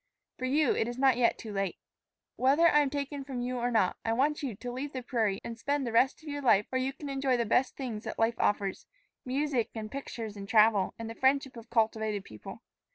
For you, it is not yet too late. "Whether I am taken from you or not, I want you to leave the prairie and spend the rest of your life where you can enjoy the best things that life offers music and pictures and travel, and the friendship of cultivated people.